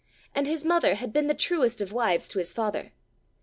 and his mother had been the truest of wives to his father!